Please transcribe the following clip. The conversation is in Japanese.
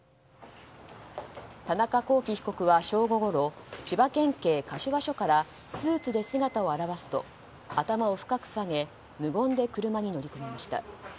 田中聖被告は正午ごろ千葉県警柏署からスーツで姿を現すと頭を深く下げ無言で車に乗り込みました。